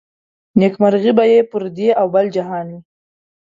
نيکمرغي به يې پر دې او بل جهان وي